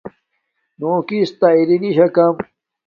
نو کس تہ اری نشاکم مکا۔